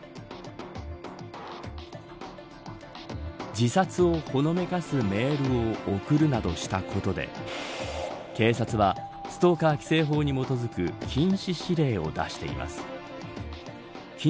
自殺をほのめかすメールを送るなどしたことで警察はストーカー規制法に基づく禁止命令を出しています。